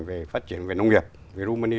về phát triển về nông nghiệp vì kumani